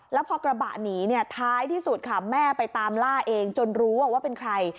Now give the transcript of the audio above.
แล้วพอกระบะหนีเนี่ยท้ายที่สุดค่ะแม่ไปตามล่าเองจนรู้ว่าเป็นใคร